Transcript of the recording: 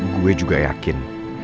gue juga yakin